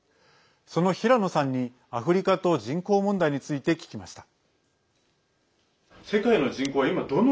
その平野さんに、アフリカと人口問題について聞きました。